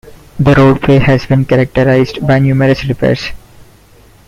The roadway has been characterized by numerous repairs.